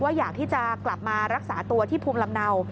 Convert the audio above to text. อยากที่จะกลับมารักษาตัวที่ภูมิลำเนา